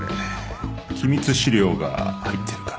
機密資料が入ってるから。